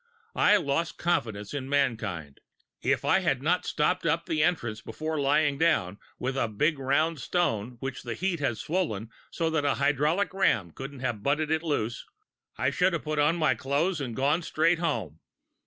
I lost confidence in mankind. If I had not stopped up the entrance before lying down, with a big round stone which the heat had swollen so that a hydraulic ram couldn't have butted it loose, I should have put on my clothes and gone straight home."